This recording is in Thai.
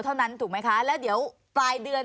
เท่านั้นถูกไหมคะแล้วเดี๋ยวปลายเดือน